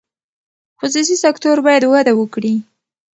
خصوصي سکتور باید وده وکړي.